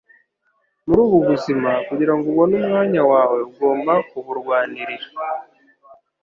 Muri ubu buzima, kugirango ubone umwanya wawe ugomba kuburwanirira.”